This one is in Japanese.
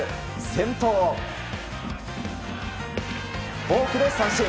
先頭をフォークで三振。